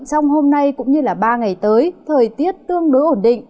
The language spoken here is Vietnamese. trong hôm nay cũng như ba ngày tới thời tiết tương đối ổn định